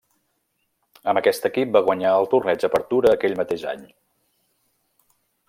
Amb aquest equip va guanyar el Torneig Apertura aquell mateix any.